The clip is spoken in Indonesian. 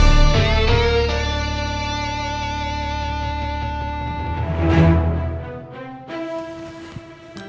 jadi nursery sudah sangatagger